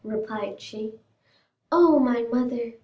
replied she. "Oh, my mother!"